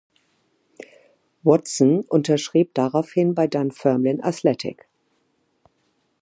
Watson unterschrieb daraufhin bei Dunfermline Athletic.